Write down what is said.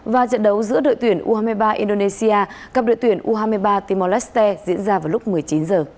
và trận đấu giữa đội tuyển u hai mươi ba indonesia gặp đội tuyển u hai mươi ba timor leste diễn ra vào lúc một mươi chín h